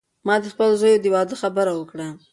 ما ته د خپل زوی د واده خبره وکړه.